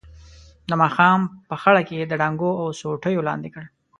د ماښام په خړه کې یې د ډانګونو او سوټیو لاندې کړ.